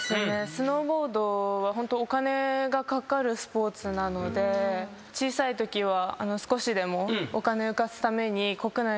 スノーボードはホントお金がかかるスポーツなので小さいときは少しでもお金を浮かすために。